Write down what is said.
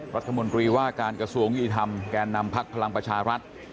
รัฐมนตรีว่าการกระทรวงยุติธรรมแก่นำพักพลังประชารัฐ